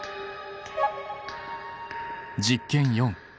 実験４。